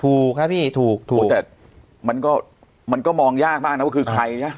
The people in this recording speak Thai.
ถูกครับพี่ถูกถูกแต่มันก็มันก็มองยากมากนะว่าคือใครนะ